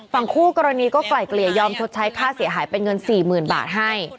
ฝั่งคู่กรณีก็ไกล่เกลี่ยยอมชดใช้ค่าเสียหายเป็นเงิน๔๐๐๐บาทให้